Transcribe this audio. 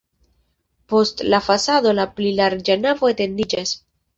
Post la fasado la pli larĝa navo etendiĝas.